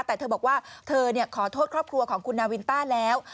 แต่เธอบอกว่าเธอขอโทษครอบครัวของคุณนาวินต้าแล้ว